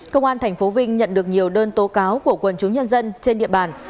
công an tp vinh nhận được nhiều đơn tố cáo của quần chúng nhân dân trên địa bàn